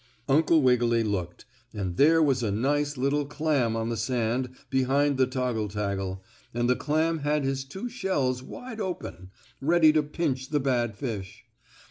"Uncle Wiggily looked, and there was a nice little clam on the sand behind the toggle taggle, and the clam had his two shells wide open, ready to pinch the bad fish.